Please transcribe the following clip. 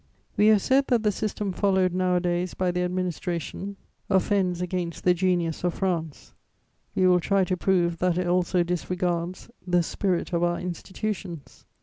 "We have said that the system followed nowadays by the administration offends against the genius of France: we will try to prove that it also disregards the spirit of our institutions.